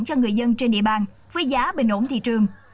cho người dân trên địa bàn với giá bình ổn thị trường